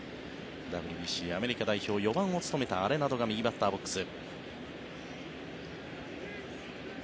ＷＢＣアメリカ代表４番を務めたアレナドが右バッターボックス。